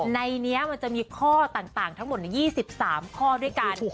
ในนี้มันจะมีข้อต่างทั้งหมด๒๓ข้อด้วยกัน